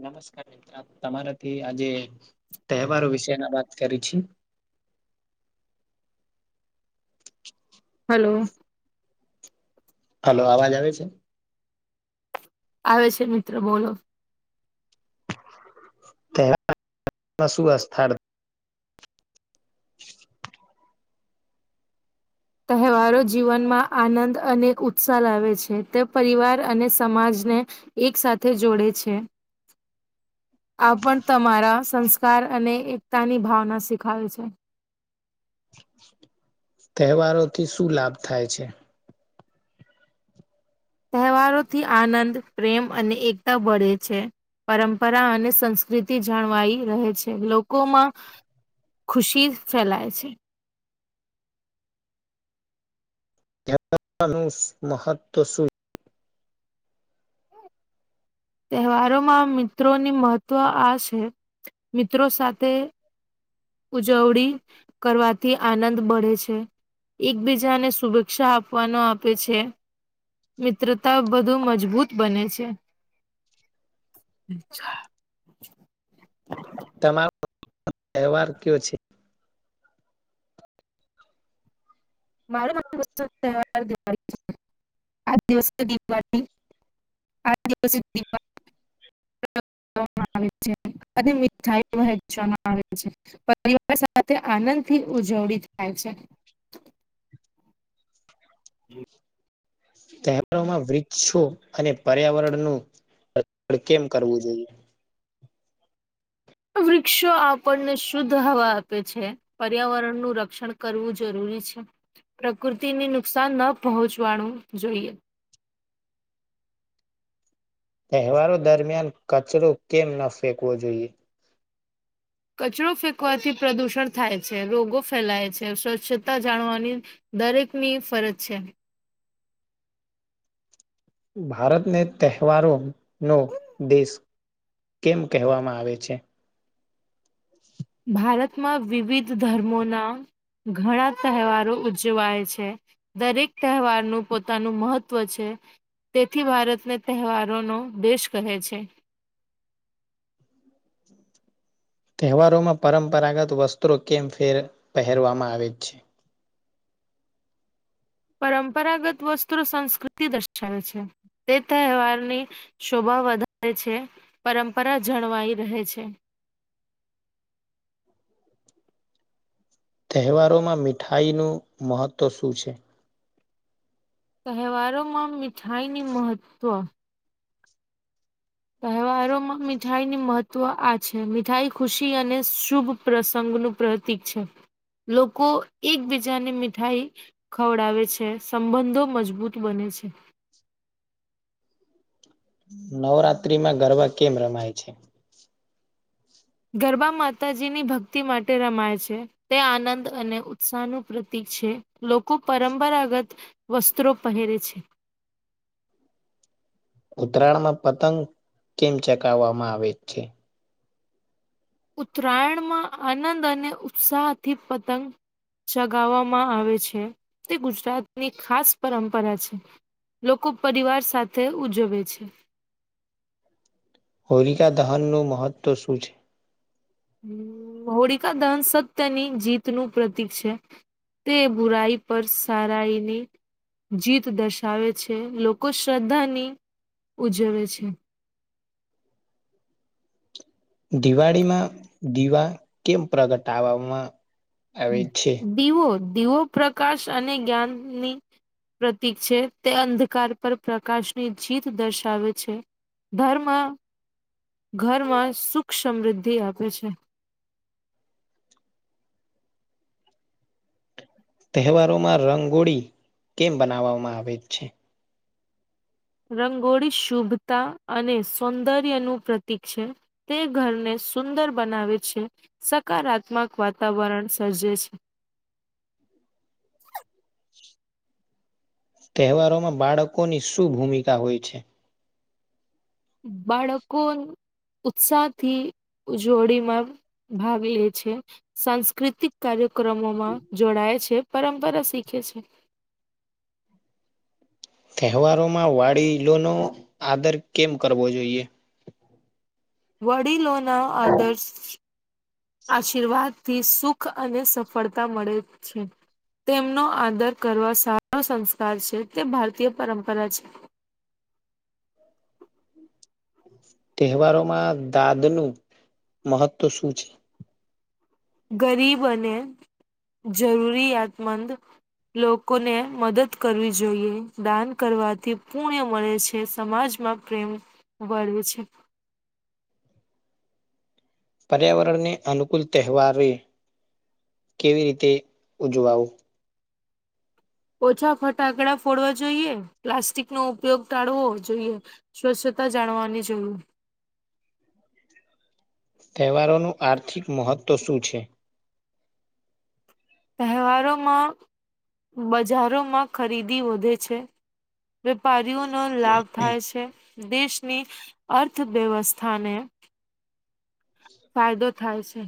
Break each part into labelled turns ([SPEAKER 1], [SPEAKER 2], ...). [SPEAKER 1] નમસ્કાર મિત્ર તમારાથી આજે તહેવારો વિશેના વાત કરી છે.
[SPEAKER 2] હલો.
[SPEAKER 1] હલો અવાજ આવે છે?
[SPEAKER 2] આવે છે મિત્રો બોલો.
[SPEAKER 1] શું અથળ [unintelligible] [inaudible]
[SPEAKER 2] તહેવારો જીવનમાં આનંદ અને ઉત્સાહ લાવે છે તે પરિવાર અને સમાજને એક સાથે જોડે છે. આ પણ તમારા સંસ્કાર અને એકતાની ભાવના શીખાય છે.
[SPEAKER 1] તહેવારોથી શું લાભ થાય છે.
[SPEAKER 2] તહેવારોથી આનંદ પ્રેમ અને એકતા બળે છે. પરંપરા અને સંસ્કૃતિ જણવાઈ રહે છે લોકોમાં. ખુશી ફેલાય છે.
[SPEAKER 1] એનું મહત્ત્વ શું [unintelligible]
[SPEAKER 2] મારા માટે મિત્રોની મહત્વ આ છે, મિત્રો સાથે ઉજવણી કરવાથી, આનંદ મળે છે. એકબીજાને શુભેચ્છા આપવાનો આવે છે. મિત્રતા બધુ મજબૂત બને છે. અચ્છા.
[SPEAKER 1] તમારો તહેવાર કયો છે?
[SPEAKER 2] મારો તહેવાર દિવાળી છે. [unintelligible] આ દિવસે દીવાળી [unintelligible] આવે છે અને મીઠાઈ વહેચવામાં આવે છે. પરિવાર સાથે આનંદ થી ઉજવણી થાય છે. હમ.
[SPEAKER 1] તહેવારોમાં વૃક્ષો અને પર્યાવરણનું રક્ષણ કેમ કરવું જોઈએ?
[SPEAKER 2] વૃક્ષો આપણને શુદ્ધ હવા આપે છે પર્યાવરણનું રક્ષણ કરવું જરૂરી છે. પ્રકૃતિને નુકસાન ન પહોંચવાનું જોઈએ.
[SPEAKER 1] તહેવારો દરમિયાન કચરો કેમ ન ફેંકવો જોઈએ?
[SPEAKER 2] કચરો ફેંકવાથી પ્રદુષણ થાય છે રોગો ફેલાય છે સ્વચ્છતા જાળવવાની દરેક ની ફરજ છે.
[SPEAKER 1] ભારતને તહેવારો નો દેશ કેમ કહેવામાં આવે છે?
[SPEAKER 2] ભારતમાં વિવિધ ધર્મોના ઘણા તહેવારો ઉજવાય છે. દરેક તહેવારનું પોતાનું મહત્વ છે. તેથી ભારતને તહેવારોનો દેશ કહે છે.
[SPEAKER 1] તહેવારોમાં પરંપરાગત વસ્ત્રો કેમ ફેર પહેરવામાં આવે છે?
[SPEAKER 2] પરંપરાગત વસ્ત્રો સંસ્કૃતિ દર્શાવે છે. તે તહેવારની શોભા વધારે છે પરંપરા જળવાઈ રહે છે.
[SPEAKER 1] તહેવારોમાં મીઠાઈનું મહત્ત્વ શું છે?
[SPEAKER 2] તહેવારો માં મીઠાઈ ન મહત્ત્વ તહેવારોમાં મીઠાઈ ની મહત્વ આ છે મીઠાઈ ખુશી અને શુભ પ્રસંગનું પ્રતીક છે, લોકો એકબીજાની મીઠાઈ ખવડાવે છે સંબંધો મજબૂત બને છે.
[SPEAKER 1] નવરાત્રી માં ગરબા કેમ રમાય છે?
[SPEAKER 2] ગરબા માતાજીની ભક્તિ માટે રમાય છે. તે આનંદ અને ઉત્સાહનું પ્રતીક છે, લોકો પરંપરાગત વસ્ત્રો પહેરે છે.
[SPEAKER 1] ઉત્તરાયણ માં પતંગ કેમ ચગાવવામાં આવે છે?
[SPEAKER 2] ઉતરાયણમાં આનંદ અને ઉત્સાહથી પતંગ ચગાવવામાં આવે છે, તે ગુજરાતની ખાસ પરંપરા છે. લોકો પરિવાર સાથે ઉજવે છે.
[SPEAKER 1] હોલિકા દહનનું મહત્ત્વ શું છે?
[SPEAKER 2] હોળિકા દહન સત્યની જીતનું પ્રતીક છે. તે બુરાઈ પર સારાઈ ની જીત દર્શાવે છે લોકો શ્રદ્ધાની ઉજવે છે.
[SPEAKER 1] દિવાળીમાં દીવા કેમ પ્રગટવામાં
[SPEAKER 2] દીવો દીવો પ્રકાશ અને જ્ઞાનની પ્રતીક છે તે અંધકાર પર પ્રકાશની જીત દર્શાવે છે. ધરમાં ઘરમાં સુખ સમૃદ્ધિ આપે છે.
[SPEAKER 1] તહેવારોમાં રંગોળી કેમ બનાવવામાં આવે છે?
[SPEAKER 2] રંગોળી શુભતા અને સૌંદર્ય નું પ્રતીક છે. તે ઘરને સુંદર બનાવે છે, સકારાત્મક વાતાવરણ સર્જે છે.
[SPEAKER 1] તહેવારોમાં બાળકોની શું ભૂમિકા હોય છે?
[SPEAKER 2] બાળકન ઉત્સાહથી ઉ જોવડીમાં ભાગ લે છે, સાંસ્કૃતિક કાર્યક્રમોમાં જોડાય છે પરંપરા શીખે છે.
[SPEAKER 1] તહેવારોમાં વાડીલોનો આદર કેમ કરવો જોઈએ?
[SPEAKER 2] વડીલો ના આદર્શ આશીર્વાદ થી સુખ અને સફળતા મળે છે. તેમનો આદર કરવા સારો સંસ્કાર છે, તે ભારતીય પરંપરા છે.
[SPEAKER 1] તહેવારોમાં દાંદ નું મહત્વ શું છે?
[SPEAKER 2] ગરીબ અને જરૂરિયાતમંદ લોકોને મદદ કરવી જોઈએ દાન કરવાથી પુણ્ય મળે છે, સમાજમાં પ્રેમ વળવે છે.
[SPEAKER 1] પર્યાવરણને અનુકૂળ તહેવારે કેવી રીતે ઉજવાવો?
[SPEAKER 2] ઓછા ફટાકડા ફોડવા જોઈએ પ્લાસ્ટિકનો ઉપયોગ ટાળવો જોઈએ સ્વચ્છતા જાણવાની [unintelligible]
[SPEAKER 1] તહેવારોનું આર્થિક મહત્ત્વ શું છે?
[SPEAKER 2] તહેવારોમાં બજારોમાં ખરીદી વધે છે. વેપારીઓનો લાભ થાય છે. દેશની અર્થવ્યવસ્થાને ફાયદો થાય છે.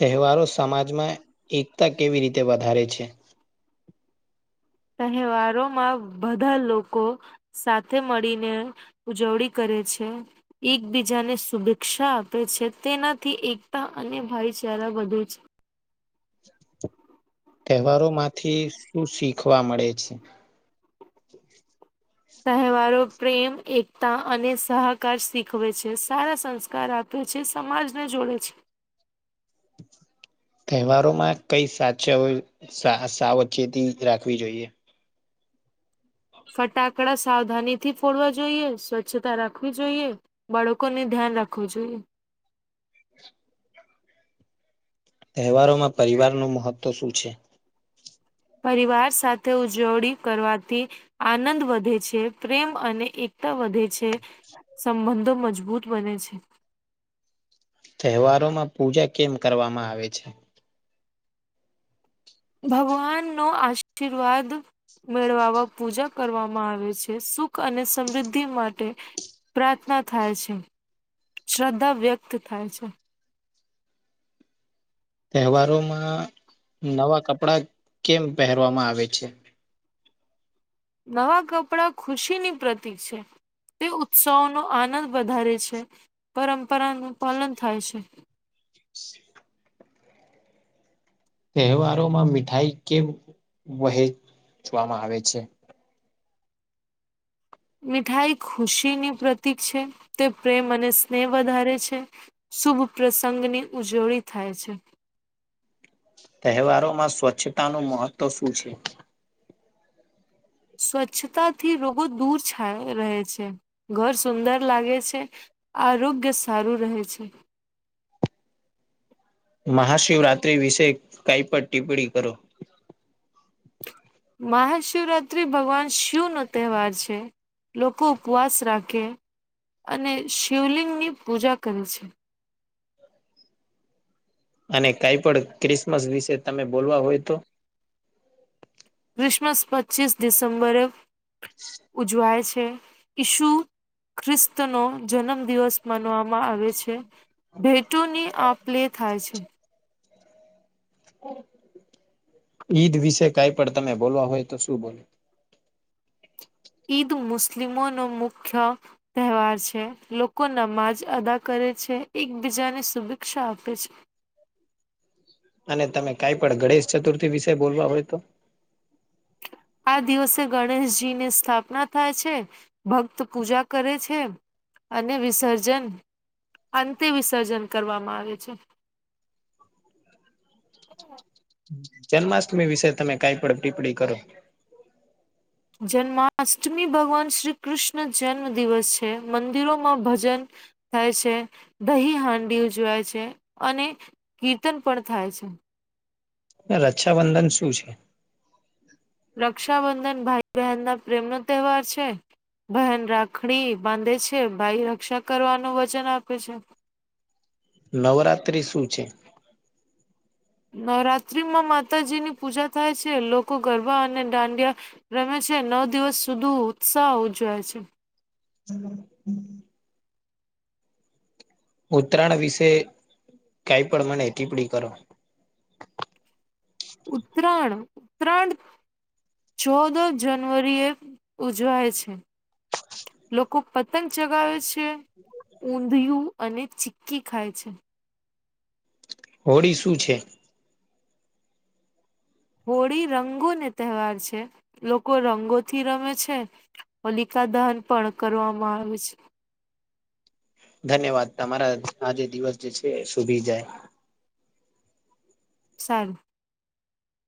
[SPEAKER 1] તહેવારો સમાજમાં એકતા કેવી રીતે વધારે છે?
[SPEAKER 2] તહેવારોમાં બધા લોકો સાથે મળીને ઉજવણી કરે છે. એકબીજાને શુભેચ્છા આપે છે, તેનાથી એકતા અને ભાઈચારા વધે
[SPEAKER 1] તહેવારો માંથી શું શીખવા મળે છે?
[SPEAKER 2] તહેવારો પ્રેમ, એકતા અને સહકાર શીખવે છે, સારા સંસ્કાર આ પે છે, સમાજ ને જોડે છે.
[SPEAKER 1] તહેવારોમાં કઈ સાચ સા સાવચેતી રાખવી જોઈએ?
[SPEAKER 2] ફટાકડા સાવધાનીથી ફોડવા જોઈએ સ્વચ્છતા રાખવી જોઈએ બાળકોને ધ્યાન રાખવો જોઈએ.
[SPEAKER 1] તહેવારોમાં પરિવારનુ મહત્વ શું છે?
[SPEAKER 2] પરિવાર સાથે ઉજવણી કરવાથી આનંદ વધે છે, પ્રેમ અને એકતા વધે છે. સંબંધો મજબૂત બને છે.
[SPEAKER 1] તહેવારોમાં પૂજા કેમ કરવામાં આવે છે?
[SPEAKER 2] ભગવાનનો આશીર્વાદ મેળવવા પૂજા કરવામાં આવે છે, સુખ અને સમૃદ્ધિ માટે પ્રાર્થના થાય છે, શ્રદ્ધા વ્યક્ત થાય છે.
[SPEAKER 1] તહેવારોમાં નવા કપડા કેમ પહેરવામાં આવે છે?
[SPEAKER 2] નવા કપડાં ખુશીની પ્રતિક છે. તે ઉત્સવોનો આનંદ વધારે છે, પરંપરાનું પાલનુ થાય છે.
[SPEAKER 1] તહેવારોમાં મીઠાઈ કેમ વહેચવામાં આવે છે?
[SPEAKER 2] મીઠાઈ ખુશીની પ્રતિક છે, તે પ્રેમ અને સ્નેહ વધારે છે. શુભ પ્રસંગની ઉજવણી થાય છે.
[SPEAKER 1] તહેવારોમાં સ્વચ્છતાનું મહત્ત્વ શું છે?
[SPEAKER 2] સ્વચ્છતાથી રોગો દૂર છા રહે છે, ઘર સુંદર લાગે છે. આરોગ્ય સારું રહેે છે.
[SPEAKER 1] મહાશિવરત્રી વિશે કઈ પણ ટિપ્પણી કરો
[SPEAKER 2] મહાશિવરાત્રી ભગવાન શિવનો તહેવાર છે. લોકો ઉપવાસ રાખે અને શિવલિંગની પૂજા કરે છે.
[SPEAKER 1] અને કાઈ પણ ક્રિસમસ વિશે તમે બોલવા હોય તો
[SPEAKER 2] ક્રિસમસ પચીસ ડિસેમ્બરે ઉજવાય છે. ઈસુ ખ્રસ્તનો જન્મ દિવસ માનવામાં આવે છે. ભેટોની આપલેે થાય છે.
[SPEAKER 1] ઈદ વિશે કઈ પણ તમે બોલવા હોય તો શું બોલો?
[SPEAKER 2] ઈદ મુસ્લિમોનો મુખ્ય તહેવાર છે, લોકો નમાજ અદા કરે છે, એકબીજાને શુભેચ્છા આપે છે
[SPEAKER 1] અને તમે કાઈ પણ ગણેશ ચતુર્થી વિશે બોલવા હોય તો?
[SPEAKER 2] આ દિવસે ગણેશજીની સ્થાપના થાય છે, ભક્ત પૂજા કરે છે. અને વિસર્જન અંતે વિસર્જન કરવામાં આવે છે.
[SPEAKER 1] જન્માષ્ટમી વિશે તમે કાઈ પણ ટીપ્પણી કરો
[SPEAKER 2] જન્માષ્ટમી ભગવાન શ્રી કૃષ્ણ જન્મ દિવસ છે, મંદિરોમાં ભજન થાય છે, દહી હાંડી ઉજવાય છે, અને કીર્તન પણ થાય છે.
[SPEAKER 1] રક્ષાબંધન શું છે?
[SPEAKER 2] રક્ષાબંધન ભાઈ બહેનના પ્રેમનો તહેવાર છે. બહેન રાખડી બાંધે છે, ભાઈ રક્ષા કરવાનું વજન આપે છે.
[SPEAKER 1] નવરાત્રી શું છે?
[SPEAKER 2] નવરાત્રીમાં માતાજીની પૂજા થાય છે, લોકો ગરબા અને દાંડિયા રમે છે, નવ દિવસ સુધુ ઉત્સાહ ઉજવાય છે.
[SPEAKER 1] હમ ઉત્તરાયણ વિશે કાઈ પણ મને ટીપ્પડી કરો
[SPEAKER 2] ઉત્તરાયણ ઉત્તરાયણ. ચૌદ જનવરી એ ઉજવાય છે. લોકો પતંગ ચગાવે છે. ઊંધિયું અને ચીકી ખાય છે.
[SPEAKER 1] હોળી શું છે?
[SPEAKER 2] હોળી રંગોને તહેવાર છે, લોકો રંગોથી રમે છે. હોલિકા દહન પણ કરવામાં આવે છે.
[SPEAKER 1] ધન્યવાદ તમારા આજે દિવસ જે છે, શોભી જાય
[SPEAKER 2] સારુ.